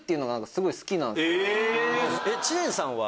知念さんは？